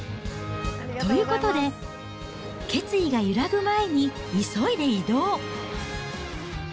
ということで、決意が揺らぐ前に急いで移動。